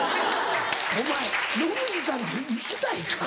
お前野口さんと行きたいか？